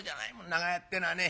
長屋ってのはね。